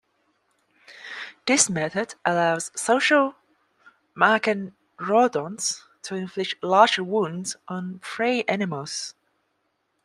This method allows social machairodonts to inflict large wounds on prey animals.